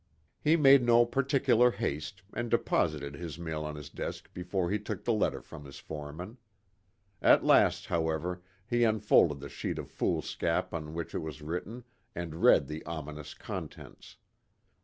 He made no particular haste, and deposited his mail on his desk before he took the letter from his foreman. At last, however, he unfolded the sheet of foolscap on which it was written, and read the ominous contents.